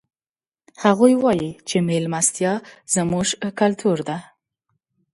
هغوی وایي چې مېلمستیا زموږ کلتور ده